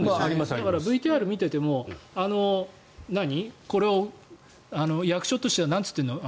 だからＶＴＲを見ててもこれを役所としてはなんて言ってるの？